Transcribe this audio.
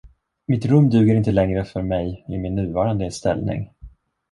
Mitt rum duger inte längre för mig i min nuvarande ställning.